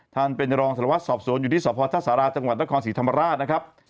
ท่านเป็นรองสารวัตรสอบสวนอยู่ที่สพท่าสาราจังหวัดนครศรีธรรมราชนะครับ